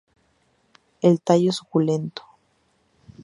El tallo suculento.